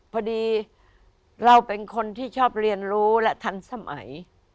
พอดีเราเป็นคนที่ชอบเรียนรู้และทันสมัย